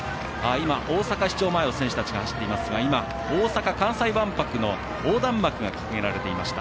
大阪市庁前を選手たちが走っていますが大阪・関西万博の横断幕が掲げられていました。